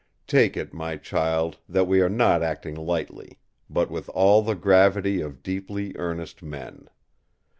Take it, my child, that we are not acting lightly; but with all the gravity of deeply earnest men!